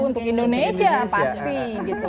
untuk indonesia pasti gitu